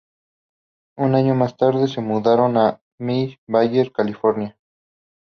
Un año más tarde, se mudaron a Mill Valley, California.